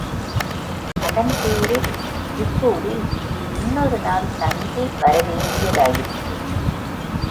அதன்பேரில் இவ்வூரில் இன்னொரு நாள் தங்கி வரவேண்டியதாயிற்று.